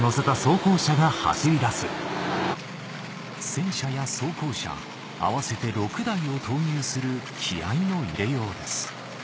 戦車や装甲車合わせて６台を投入する気合の入れようです